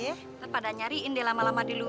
kita pada nyariin deh lama lama di luar